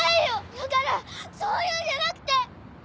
だからそういうんじゃなくて。